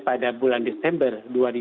pada bulan desember